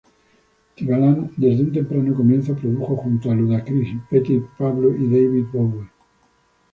Timbaland desde un temprano comienzo produjo junto a Ludacris, Petey Pablo y David Bowie.